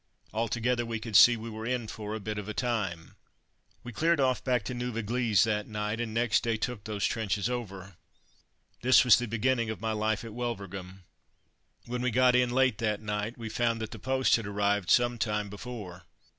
Altogether we could see we were in for a "bit of a time." We cleared off back to Neuve Eglise that night, and next day took those trenches over. This was the beginning of my life at Wulverghem. When we got in, late that night, we found that the post had arrived some time before.